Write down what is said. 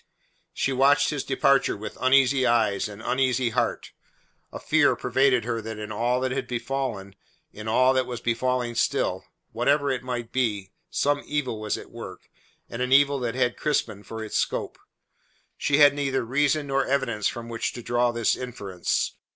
She watched his departure with uneasy eyes and uneasy heart. A fear pervaded her that in all that had befallen, in all that was befalling still what ever it might be some evil was at work, and an evil that had Crispin for its scope. She had neither reason nor evidence from which to draw this inference.